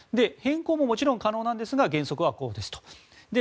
変更ももちろん可能ですが原則はこうですと。